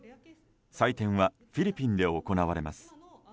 採点はフィリピンで行われます。